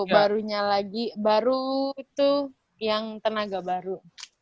barunya lagi baru itu yang tenaga baru